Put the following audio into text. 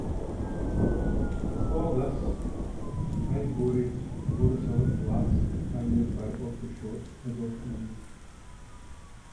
For this, high-borate borosilicate glass pioneered by Otto Schott is often used.